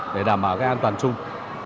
để đảm bảo an toàn chung